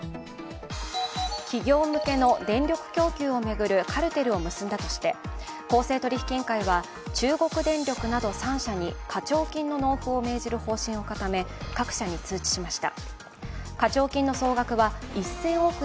企業向けの電力供給を巡るカルテルを結んだとして公正取引委員会は中国電力など３社に課徴金の納付を命じる方針を固め各社に通知しました。